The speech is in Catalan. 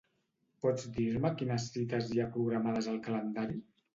Pots dir-me quines cites hi ha programades al calendari?